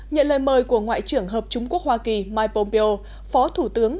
nhận lời mời của ngoại trưởng hợp trung quốc hoa kỳ mai pong pyo phó thủ tướng